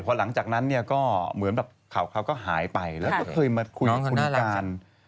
พอหลังจากนั้นเนี่ยก็เหมือนแบบข่าวเขาก็หายไปแล้วก็เคยมาคุยกับคุณการ